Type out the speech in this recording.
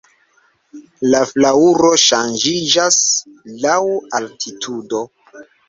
La flaŭro ŝanĝiĝas laŭ altitudo.